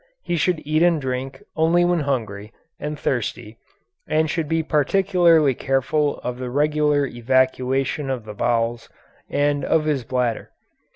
He should eat and drink only when hungry and thirsty and should be particularly careful of the regular evacuation of his bowels and of his bladder.